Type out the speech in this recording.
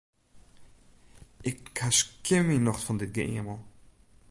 Ik ha skjin myn nocht fan dit geëamel.